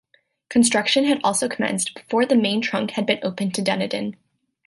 Construction had also commenced before the Main Trunk had been opened to Dunedin.